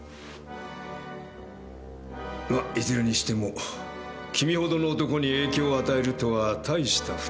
まいずれにしても君ほどの男に影響を与えるとはたいした２人だ。